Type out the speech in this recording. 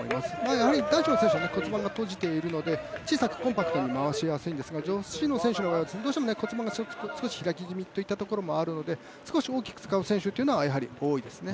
やはり男子の選手、骨盤が閉じているので、小さくコンパクトに回しやすいんですが、女子の選手の方がどうしても骨盤が少し開き気味といったところがあるので少し大きく使う選手というのは多いと思いますね。